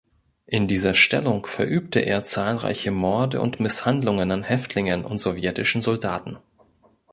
In dieser Stellung verübte er zahlreiche Morde und Misshandlungen an Häftlingen und sowjetischen Soldaten.